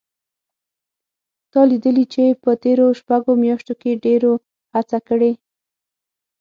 تا لیدلي چې په تېرو شپږو میاشتو کې ډېرو هڅه کړې